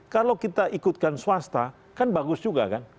kalau kita ikutkan swasta kan bagus juga kan